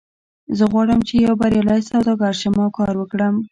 زه غواړم چې یو بریالی سوداګر شم او کار وکړم